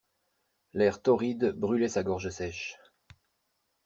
L'air torride brûlait sa gorge sèche.